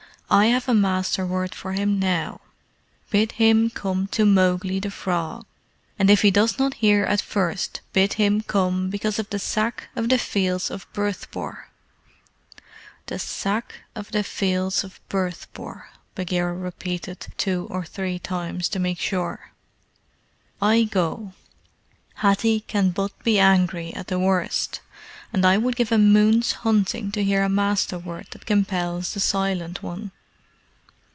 I have a Master word for him now. Bid him come to Mowgli, the Frog: and if he does not hear at first, bid him come because of the Sack of the Fields of Bhurtpore." "The Sack of the Fields of Bhurtpore," Bagheera repeated two or three times to make sure. "I go. Hathi can but be angry at the worst, and I would give a moon's hunting to hear a Master word that compels the Silent One."